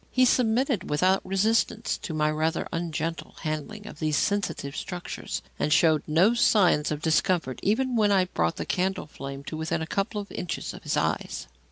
He submitted without resistance to my rather ungentle handling of these sensitive structures, and showed no signs of discomfort even when I brought the candle flame to within a couple of inches of his eyes.